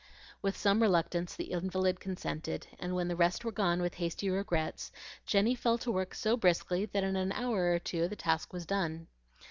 With some reluctance the invalid consented; and when the rest were gone with hasty regrets, Jenny fell to work so briskly that in an hour or two the task was done.